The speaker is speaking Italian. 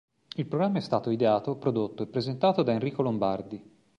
Il programma è stato ideato, prodotto e presentato da Enrico Lombardi.